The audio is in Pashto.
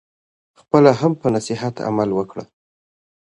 خپله هم په نصیحت عمل وکړئ.